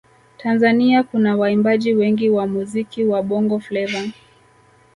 Tanzania kuna waimbaji wengi wa muziki wa bongo fleva